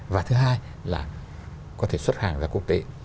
và thứ hai là có thể xuất hàng ra quốc tế